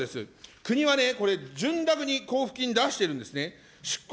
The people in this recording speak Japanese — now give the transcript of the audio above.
国はね、これ、潤沢に交付金を出しているんですね。